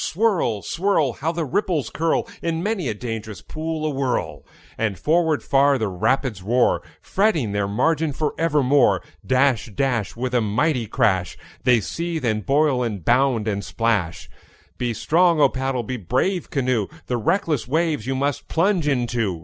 Swirl, swirl! How the ripples curl In many a dangerous pool awhirl! And forward far the rapids roar, Fretting their margin for evermore. Dash, dash, With a mighty crash, They seethe, and boil, and bound, and splash. Be strong, O paddle! be brave, canoe! The reckless waves you must plunge into.